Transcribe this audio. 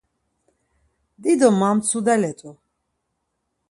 Dido mamtsudale t̆u.